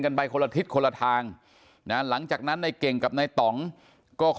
ไปคนละทิศคนละทางนะหลังจากนั้นในเก่งกับในต่องก็ขอ